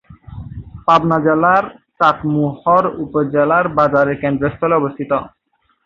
পাবনা জেলার চাটমোহর উপজেলার বাজারের কেন্দ্রস্থলে অবস্থিত।